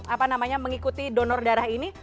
apa namanya mengikuti donor darah ini